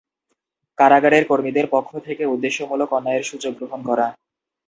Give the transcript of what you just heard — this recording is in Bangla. কারাগারের কর্মীদের পক্ষ থেকে উদ্দেশ্যমূলক অন্যায়ের সুযোগ গ্রহণ করা।